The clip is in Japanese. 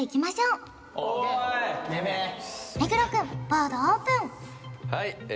うめめ目黒くんボードオープンはい